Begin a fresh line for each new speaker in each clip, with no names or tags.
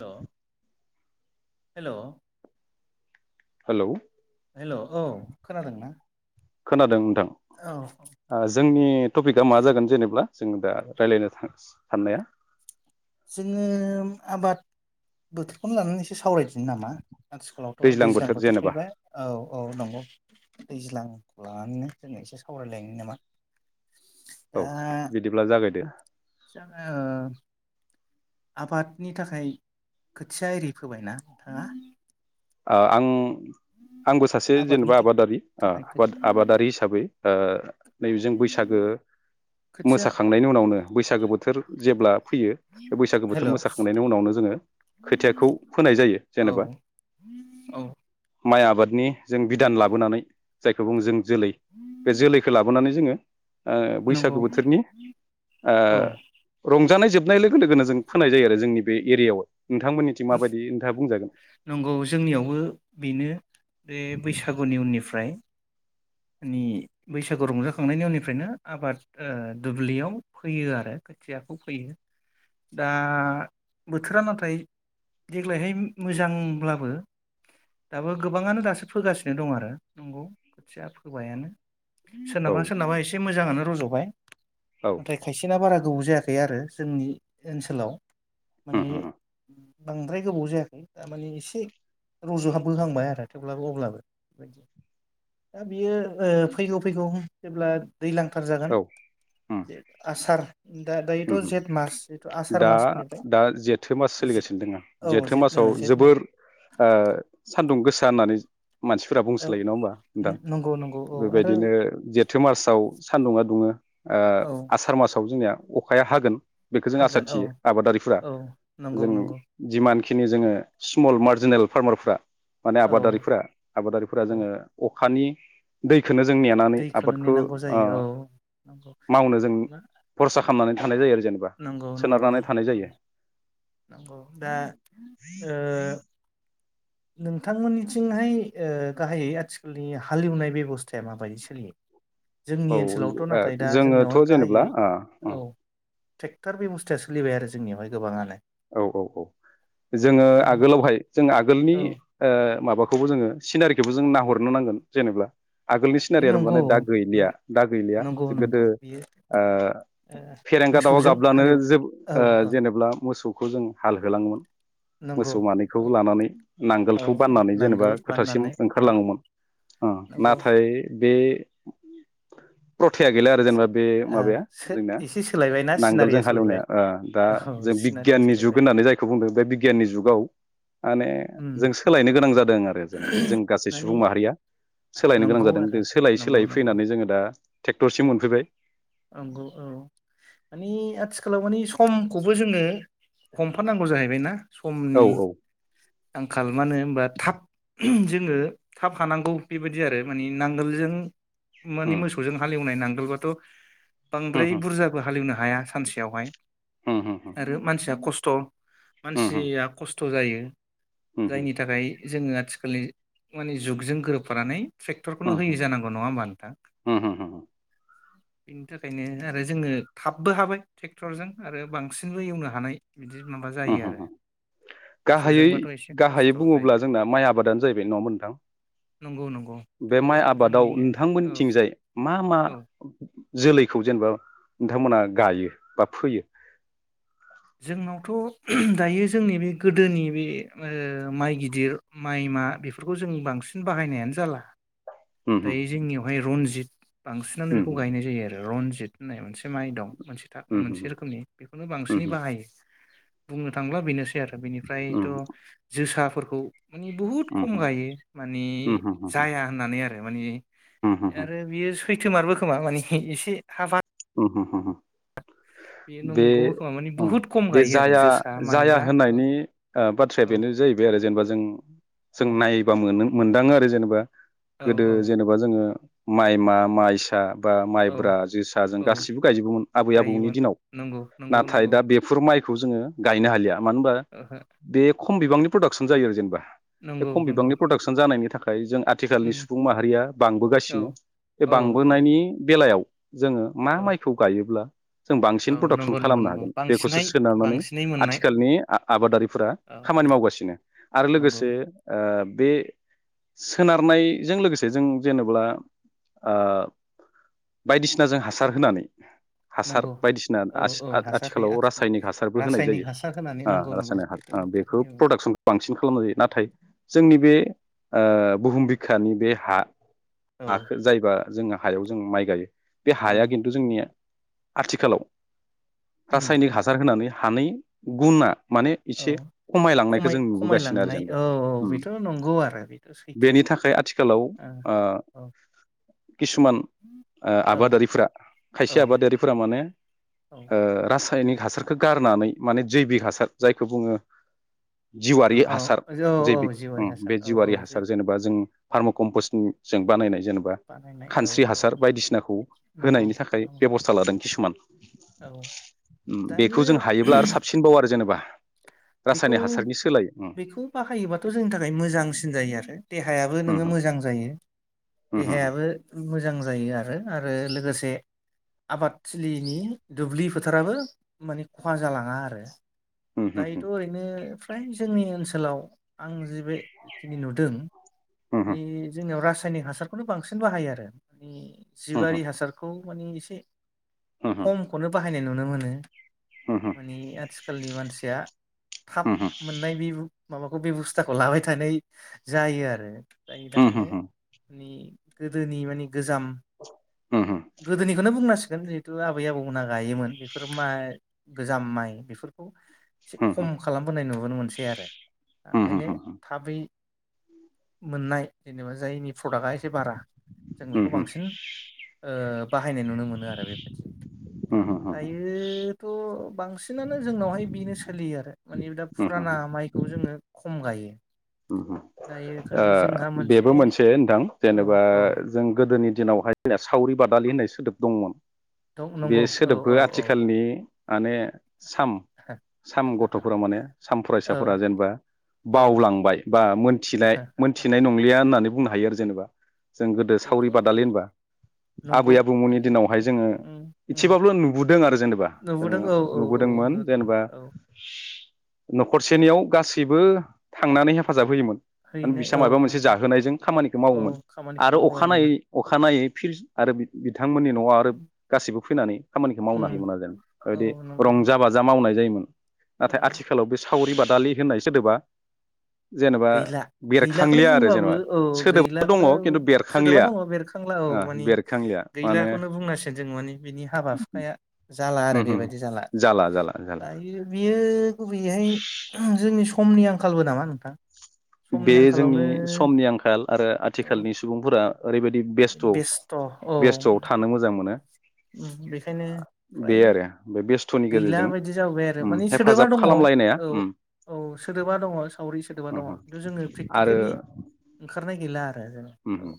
हेल' hello
hello
hello औ खोनादों ना?
खोनादों नोंथां ओ जोंनि टपिकआ मा जागोन जेनेबा? जों दा रायलायनो सान-साननाया?
जोङो आबाद बोथोरखौनो लानानै एसे सावराय नि नामा आथिखालावथ' दैज्लां बोथोर फैबाय औ औ नंगौ। दैज्लांखौ लानानैनो जों एसे सावरायलायनि नामा?
औ
दा
बिदिब्ला जागायदो
जोङो आबादनि थाखाय खोथिया एरि फोबायना नोंथाङा?
ओ आं आंबो सासे
आबादनि
जेनेबा आबादारि ओ
थाखाय
आबाद आबादारि हिसाबै ओ नैबे जों बैसागो
खोथिया
मोसाखांनायनि उनावनो बैसागो बोथोर जेब्ला फैयो बे बैसागो बोथोर
हेल' औ
मोसाखांनायनि उनावनो जोङो खोथियाखौ फोनाय जायो जेनेबा।
औ
माइ आबादनि जों बिदान लाबोनानै जाय सुबुंजों जोलै बे जोलैखो लाबोनानै जोङो ओ
नंगौ
बैसागो बोथोरनि ओ
औ
रंज जानाय जोबनाय लोगो लोगोनो जों फोनाय जायो आरो जोंनि बे एरियायाव। नोंथांमोननिथिं माबायदि नोंथाङा बुंजागोन।
नंगौ जोंनियावबो बेनो बे बैसागुनि उननिफ्राय मानि बैसागु रंजाखांनायनि उननिफ्रायनो आबाद ओ दुब्लियाव फैयो आरो खोथियाखौ फोयो दा बोथोरा नाथाय देग्लायहाय मोजांब्लाबो दाबो गोबाङानो दासो फोगासिनो दं आरो नंगौ खोथिया फो सबायानो।
औ
सोरनाबा सोरनाबा एसे मोज मोजांआनो रज'बाय।
औ
नाथाय खायसेना बारा गोबाव जायाखै आरो जोंनि ओनसोलाव।
उम
माने
उम
बांद्राय गोबाव जायाखै थारमाने एसे रज'हाब बोहांबाय आरो थेवब्लाबो अब्लाबो बियो ओ फैगौ फैगौ जेब्ला दैलांखार जागोन
औ उम
जे आसार दा दायोथ' जेठ मास जिथु आसार
दा
मासफोरनिफ्राय
दा जेथो मास
जि
सोलिगासिनो दङ
औ
जेथो
जेठ
मासाव
जेठ मास
जोबोर ओ सान्दुं गोसा होननानै मानसिफोरा
औ
बुंसोलायो नङा होमबा नोंथां
नंगौ नंगौ औ आरो
बेबायदिनो जेथो मासाव सान्दुङा दुङो ओ
औ
आसार मासाव जोंनिया अखाया हागोन। बेखौ जों आसा
हागोन औ
थियो आबादारिफोरा
औ नंगौ
जों
नंगौ
जिमानखिनि जोङो
बे
स्मल मार्ज। जेनेल फार्मारफ्रा। माने
औ
आबादारिफोरा आबादारिफोरा
औ
जोङो अखानि दै खौनो जों नेनानै
दैखौनो
आबादखौ
नेनांगौ
ओ
जायो औ नंगौ
मावनो जों
मा
खरसा खालामनानै थानाय जायो आरो
नंगौ नंगौ
थानाय
औ
जायो
नंगौ दा ओ नोंथांमोन निथिंहाय ओ गाहायै आथिखालनि हालेवनाय बेबस्थाया माबायदि सोलियो। जोंनि
औ
ओनसोलावथ' नाथाय दा जोंनियावहाय
जोङोथ' जेनेब्ला
गाहायै
[unintelligible]
औ ट्रेक्टर बेब'स्थाया सोलिबाय आरो जोंनियावहाय गोबाङानो।
औ औ औ जोङो
दायो
आगोलावहाय जों आगोलनि
औ
ओ माबा खौबो जोङो सिनारिखौबो जों नाहरनो नांगोन जेनेब्ला आगोलनि
बे
सिनारियानो
नंगौ
माने दा गैलिया दा गैलिया
नंगौ
गोदो
नंगौ बियो
ओ
ओ
फेरेंगा दउआ
मोसौजों
गाब्लानो
हालेव
जोब
औ औ
जेनेबा मोसौ खौ जों हाल होलाङोमोन।
नंगौ
मोसौ
औ
मानैखौ लानानै
औ
नांगोलखौ बाननानै जेनेबा
नांगोल
फोथासिम
बाननानै
ओंखारलाङोमोन ओ
नंगौ ओ
नाथाय बे रथाया गैला आरो जेनेबा बे माबाया
सो
जोंनाया
एसे सोलायबायना
नांगोलजों
सिनारिया सोलायबाय
हालेवनाया दा
औ
जों
सिनारिया
जुग
सोलायबाय
होननानै जायखौ बुंदों बे बिगियाननि जुगाव माने
उम
जों सोलायनो गोनां जादों आरो जेनबा जों गासै
माने
सुबुं माहारिया सोलायनो गोनां
नंगौ आरो
जादों सोलायै
नंगौ
सोलायै
नंगौ
फैनानै जोङो दा ट्रेक्टरसिम मोनफैबाय
नंगौ औ माने आथिखालाव माने समखौबो जोङो हमफानांगौ जाहैबाय ना
औ
समनि
औ
आंखाल मानो होमबा थाब जोङो थाब हानांगौ बेबायदि आरो माने नांगोलजों मानि
उम
मोसौजों हालएवनाय नां नंगौथ'
उम
बांद्राय बुरजाबो हालेवनो हाया। सानसेयावहाय
उम उम उम
आरो मानसिया खस्थ थ'
उम उम
मानसिया खस्त थ' जायो।
उम
जायनि थाखाय जोङो आथिखालनि माने जुगजों गोरोबफानानै ट्रेक्टरखौनो
उम
होयि जानांगौ नङा होमबा नोंथां
उम उम
बिनि थाखायनो आरो जोङो थाबबो हाबाय ट्रेक्टरजों आरो बांसिनबो एवनो हानाय बिदि माबा जायो आरो
होम-होम-होम गाहायै
मोसौजोंबाथ' एसे
गाहायै
खस्थ'
बुङोब्ला
जायो
जोंना माइ आबादानो जाहैबाय नङा नोंथां
नंगौ नंगौ थ'
बे माइ आबादाव
जोंनिनो औ
नोंथांमोननिथिंजाय मा मा
औ
जोलैखौ जेनबा नोंथांमोना गायो बा फोयो
जोंनावथ' दायो जोंनि बे गोदोनि बे ओ माइ गिदिर माइ मा बेफोरखौ जों बांसिन बाहायनायानो जाला
उम उम
दायो जोंनियावहाय रनजित बांसिनानो बेखौ
उम
गायनाय जायो आरो रनजित होननाय मोनसे माइ दं। मोनसे था मोनसे रोखोमनि बेखौनो
उम
बांसिनै बाहायो। बुंनो थांला बेनोसै आरो बेनिफ्रायथ'
उम
जोसा फोरखौ मानि बुहुत
उम
खम
होम
गायो मानि
उम उम होम
जाया होननानै आर [unintelligible] माने
उम होम उम होम होम
आरो बियो सु खैथोमारबो खोमा माने हे एसे हाबा
होम होम होम बे
नंगौबो खोमा माने
उम
बुहुद खम गायो आरो
जाया
जोसा
जाया
माइब्रा औ
होननायनि ओ बाथ्राया
औ
बेनो जाहैबाय आरो जेनबा जों जों
औ
नायोबा मोनोम मोनदाङो आरो जेनेबा
औ
गोदो
औ
जेनेबा जोङो माइमा माइसा बा माइब्रा
औ
जोस जों
औ
गासिबो गायजोबोमोन आबै आबौनि
गायोमोन
दिनाव
नंगौ नंगौ
नाथाय
नंगौ
दा बेफोर माइखौ जोङो गायनो हालिया मानो होमबा
ओहो
बे ख खम बिबांनि प्रडाक्सन जायो आरोे जेनबा बे
नंगौ
खम
नंगौ
बिबांनि प्रडाक्सन जानायनि थाख नाथाय जों आथिखालनि
उम
सुबुं माहारिया
औ
बांबोगासिनो बे
औ औ
बांबोनायनि बेलायाव जोंङो मा
औ
माइखौ गायोब्ला जों
औ
बांसिन प्रडाक्सन
नंगौ नंगौ
खालामनो
नंगौ
हागोन बेखौसो
बांसिनहाय
सोनारनानै
बांसिनै मोननाय
आथिखालनि आ आबादारिफोरा
औ
खामानि
औ
मावगासिनो आरो
नंगौ
लोगोसे ओ बे सोनारनायजों लोगोसे जों जेनोब्ला ओ बायदिसिना जों हासार होनानै हासार
नंगौ
बायदिसिना
औ
आसि
औ
आथ आ
हासार होयो
आथिखालाव
आथिखाल
रासायनिक हासारबो होनाय जायो
रासायनिक हासार होनानै नंगौ
ओ
नंगौ
रासायनिक हा ओ बेखौ
बाहायो
प्रडाक्सनखौ बांसिन खालामनाय जायो नाथाय जोंनि बे ओ बुहुम बिखानि बे हा
औ
हाखो जायबा जोंङो हायाव जों माइ गायो बे हाया
औ
खिन्थु जोंनिया आथिखालाव
उम
रासायनिक हासार होनानै हानै गुना माने
औ
एसे खमायलांनायखौ
खमाय
जों नुबोगासिनो आरो
खमायलांनाय
जेनेबा
औ औ
ओम
बेथ' नंगौ आरो बेथ' सैथो
बेनि थाखाय आथिखालाव ओ
ओ
किसुमान ओ
औ
आबादारिफोरा
औ
खायसे आबादारिफोरा माने
औ
ओ रासायनिक हासारखौ गार होननानै माने जैबि हासार जायखौ बुंङो जिउवारि
औ
हासार
औ
जैबि
औ जिउआरि
उम
हासार
बे
औ
जिवारि
औ जै
हासार जेनेबा जों फार्म' कम्पस्टनि जों बानायनाय जेनेबा
बानायनाय औ
खानस्रि
औ
हासार बायदिसिन
नंगौ
होनायनि थाखाय
नंगौ
बेबस्था लादों किसुमान
औ
ओम बेखौ
दायो
जों हायोब्ला आरो साबसिनबाव आरो जेनबा
बेखौ बेखौ बाहायोबाथ' जोंनि थाखाय मोजांसिन जायो आरो देहायाबो
उम
नोंङो मोजां जायो
उम
देहायाबो मोज मोजां जायो आरो आरो लोगोसे आबादथिलिनि दुब्लि फोथाराबो माने खहा जालांङा आरो
उम उम
दायोथ' ओरैनो फ्राय जोंनि ओनसोलाव आं जि बे जिखिनि नुदों
उम उम
नि जोंनियाव रास सायनिक हासारखौनो बांसिन बाहायो आरो नि
उम उम
जिबारि हासारखौ मानि एसे
उम
[unintelligible] हायनाय नुनो मोनो
उम
मानि आथि खालिनि मानसिया
उम
थाब मोननाय बेबु माबाखौ बेबस्थाखौ लाबाय थानाय जायो आरो जायनि
उम
थाखायनो नि गोदोनि मानि गोजाम गोदोनिखौनो बुंनांसि गोन जिहेथु आबै आबौमोन ना गायोमोन बेफोर माइ गोजाम माइ बेफोरखौ [inaudible] खम खालामबोनाय नु नुनो मोनसै आरो ओंखायनो
उम
थाबै मोननाय जेनेबा जायनि प्रडाक्टआ एसे बारा जों बेखौ बांसिन ओ बाहायनाय नुनो मोनो आरो बेबायदि दायोथ' बांसिनानो जोंनावहाय बिनो सो लियो आरो मानि दा
उम
फुराना माइखौ जोङो खम गायो।
उम उम
दायो
औ
खालि जोंहा
बेबो मोनसे नोंथां
औ
जेनेबा
औ
जों गोदोनि दिनावहाय सावरि बादालि होननाय सोदोब दंमोन।
दं
बे
नंगौ औ
सोदोबखौ
औ औ
आथिखालनि आने साम साम गथ'फोरा माने साम
औ
फरायसाफोरा जेनेबा
औ
बावलांबाय। बा मोनथिनाय मोनथिनाय नंलिया। होननानै बुंनो हायो आरो जेनेबा। जों गोदो
बेथ'
सावरि बादालि होनबा आबै
नंगौ बे
आबौमोननि दिनावहाय जोङो
उम उम
इसेबाबल' नुबोदों आरो जेनेबा जोङो
नुबोदों औ औ औ
नुबोदोंमोन
नुदों
जेनेबा।
औ
न'खरसेनियाव गासैबो थांनानै हे फाजाब होयोमोन।
हैनाय
बिसा
औ
माबा मोनसे
नंगौ
जाहोनायजों खामानिखौ
औ
मावोमोन
खामानिखौ
आरो अखानायै
मावलायोमोन
अखानायै फिस आरो बिथांमोननि न'आव आरो गासिबो फोनानै खामानिखौ
उम
मावनो हायोमोन आरो जों ओदि
औ नंगौ
रंजा बाजा मावनाय जायोमोन। ओम। नाथाय
औ
आथिखालाव बे सावरि बाद दालि होननाय सोदोबा जेनेबा
गैला गैलाखौनो
बेरखांलिया आरो
बुंबाबो
जेनेबा
औ
सोदोबा दङ
गैलाखौनो बु
खिन्थु
सोदोबा
बेरखांलिया
दङ बेरखांला औ मानि
बेरखांलिया माने
गैलाखौनो बुंनांसिगोन जों मानि बिनि हाबा हुखाया जाला आरो
उम उम
बेबायदि जाला
जाला जाला
दायो बियो गुबैयैहाय जोंनि स समनि आंखालबो नामा नोंथां।
बे
समनि
जोंनि
आंखालावनो
समनि आंखाल आरो
औ
आथिखालनि सुबुंफोरा ओरैबायद दि बेस्थ' बेस्थ'आव थानो मोजां मोनो।
उम बेखायनो
बे
फ्राय
आरो बे बेस्थ'नि
गैला
गेजेरजों
बायदि जाबोबाय आरो
उम
माने सोदोबा
हेफाजाब
दङ औ
खालामलायनाया उम
औ सोदोबा दङ सावरि सोदोबा
उम
दङ।
आरो
प्रेकटिकेलि ओंखारनाय गैला। आरो जों
उम
औ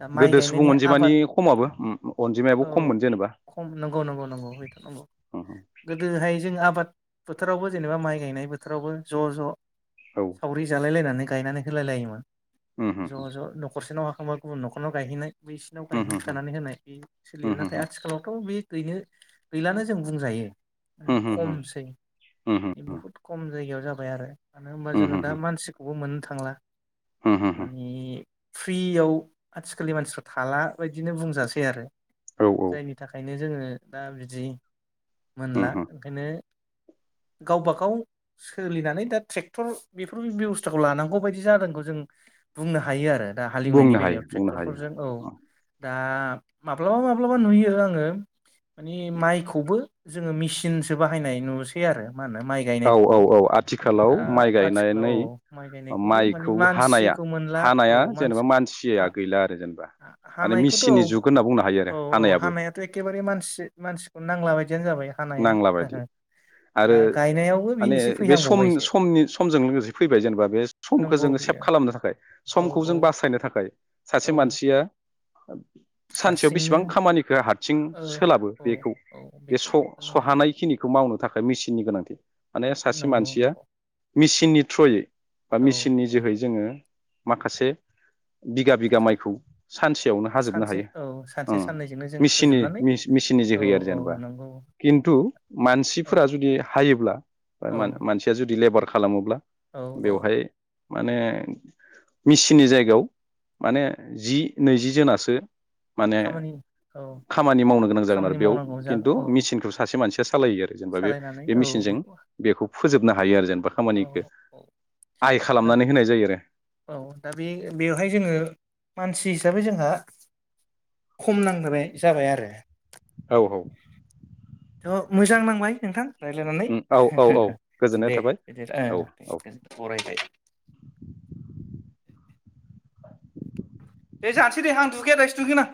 दा माइ
गोदो सुबुं
गायनायनि
अनजिमानि
आबाद
खमाबो उम अनजिमायाबो
औ
खममोन जेनेबा
खम नंगौ नंगौ नंगौ हथ'नंगौ।
उम
गोदोहाय जोङो आबाद बोथोरावबो जेनेबा माइ गायनाय बोथोरावबो ज' ज'
औ
सावरि जालायलायनानै गायनानै होलाय लायोमोन
उम
ज' ज' न'खरसे नाव खांबा गुबुन न'खरनाव गायहैनाय बैसिनाव
उम उम
गायहैखानानै होनाय बि
उम
सोलियो नाथाय
उम
आथिखालावथ' बे गैनो गैलानो जों बुंजायो
उम
खमसै
उम
बुहुत खम जायगायाव जाबाय आरो मानो होनबा जोङो
उम
दा मानसिखौबो मोन थांला
उम उम
मानि फ्रियाव आथिखालनि मानसिफ्रा थाला बायदिनो बुंजासै आरो
औ औ
जायनि थाखायनो जोङो दा बिदि
उम
मोनला ओंखायनो गावबाागाव सोलिनानै दा ट्रेक्टर बेफोर बेब'स्थाखौ लानांगौ बायदि जादोंखौ जों बुंनो हायो आरो दा हालेवनायनि
बुंनो हायो
बेलायाव
बुंनो हायो
ट्रेक्टरफोरजों औ दा माब्लाबा माब्लाबा नुयो आङो मानि माइखौ खौबो जोङो मेसििनसो बाहायनाय नुसै आरो मा होनो माइ
औ
गायनायखौबो
औ औ आथिखालाव
दा
माइ
आथिखालाव
गायनानै
औ माइ गायनायखौबो मानिे
माइखौ हानाया
मानसिखौ मोनला औ
हानाया जेनेबा
मानसि
मानसिया गैला आरो जेनेबा माने
हानायखौथ' औ
मेसिननि जुग होनना बुंनो हायो आरो
औ औ
हानायाबो
हानायाथ' एखेबारे मानसि मानसि नांलाबाय
नांला बायदि
दा
आरो
गायनायावबो बि
माने
एसे
बे सम
फैहांबावबायसो
समनि समजों लोगोसे फैबाय जेनेबा बे समखौ
नंगौ
जोङो सेभ
बियो
खालामनो थाखाय
औ
समखौ
औ
जों बासायनो थाखायोन [inaudible]
औ
सासे मानसिया आ [inaudible] सानसेयाव
हारसिंनो
बेसेबां खामानिखौ हारसिं
औ
सोलाबो
औ
बेखौ
औ
बे
बेखौ
स'
नंगौ
खिनिखौ मावनो थाखाय मेसिननि गोनांथि माने सासे मानसिया
नंगौ
मेसिननि थ्रयै बा
औ
मेसिननि जोहै
औ
जोङो माखासे बिगा बिगा माइखौ सानसेयावनो हाजोबनो
सानसे औ सानसे साननैजोंनो जों
हायोेसिननि
फोजोबनानै
मेसिननि जे
औ
होयो आरो
औ
जेनेबा
नंगौ
खिन्थु
औ
मानसिफोरा जुदि हायोब्ला
औ
मान मानसिया जुदि दिडिलेभार खालामोब्ला
औ औ
बेवहाय माने मिसिननि जायगायाव माने जि नैजि जोनासो माने
खामानि औ
खामानि मावनो गोनां जागोन आरो
खामानि
बेयाव
मावनांगौ जा
खिन्थु
औ
मेसिनखौ से मानसिया सालायो आरो जेनेबा
सालायनानै
बे
औ
मेसिनजों
बेखौ
बेखौ फोजोबनो हायो आरो जेन
औ औ दा
खालामनानै होनाय जायो आरो
औ दा बे बेवहाय जोङो मानसि दा बे जोंहा खम नांहोबाय जाबाय आरो
औ औ
मोजां नांबाय नोंथां रायज्लायनानै
औ औ औ गोजोननाय
दे
थाबाय
बिदि ओ
औ औ
दे बरायबाय दे जानोसै दे आं दुगैया दायोसो दुगैगोन आं